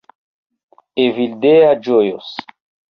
Evildea ĝojos